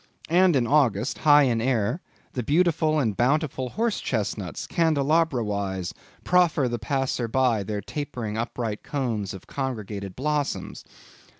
And in August, high in air, the beautiful and bountiful horse chestnuts, candelabra wise, proffer the passer by their tapering upright cones of congregated blossoms.